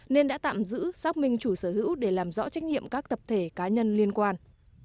nên đã tạm giữ xác minh chủ sở hữu để làm rõ trách nhiệm các tập thể cá nhân liên quan